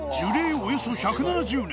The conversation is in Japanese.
およそ１７０年禮